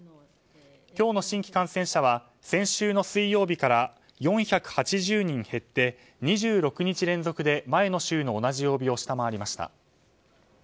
今日の新規感染者は先週の水曜日から４８０人減って、２６日連続で前の週の同じ曜日を下回りました。